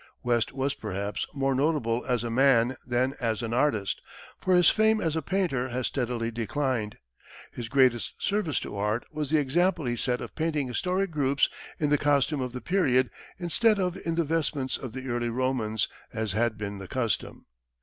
West was, perhaps, more notable as a man than as an artist, for his fame as a painter has steadily declined. His greatest service to art was the example he set of painting historical groups in the costume of the period instead of in the vestments of the early Romans, as had been the custom.